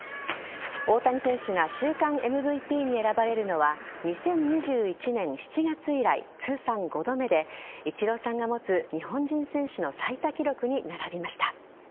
大谷選手が週間ＭＶＰに選ばれるのは２０２１年７月以来通算５度目でイチローさんが持つ日本人選手の最多記録に並びました。